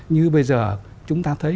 như bây giờ chúng ta thấy